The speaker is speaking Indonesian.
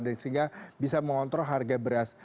sehingga bisa mengontrol harga beras